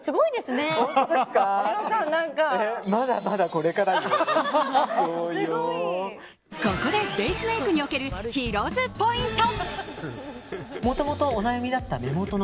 ここでベースメイクにおけるヒロ’ｓポイント。